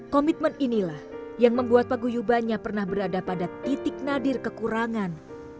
komitmen inilah yang membuat paguyubannya pernah berada pada titik nadir kekurangan